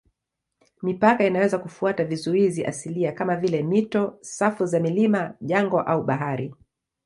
Mipaka inaweza kufuata vizuizi asilia kama vile mito, safu za milima, jangwa au bahari.